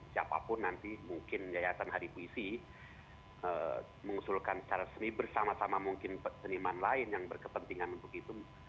siapapun nanti mungkin yayasan hari puisi mengusulkan secara seni bersama sama mungkin seniman lain yang berkepentingan untuk itu